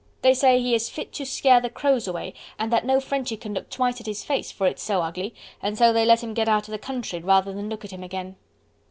They say he is fit to scare the crows away and that no Frenchy can look twice at his face, for it's so ugly, and so they let him get out of the country, rather than look at him again."